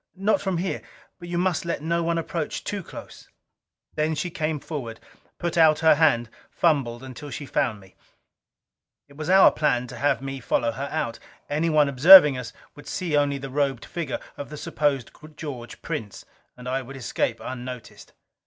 "Not from here. But you must let no one approach too close." Then she came forward, put out her hand, fumbled until she found me. It was our plan to have me follow her out. Anyone observing us would see only the robed figure of the supposed George Prince, and I would escape unnoticed.